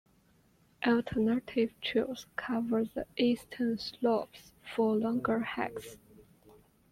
Alternative trails cover the eastern slopes for longer hikes.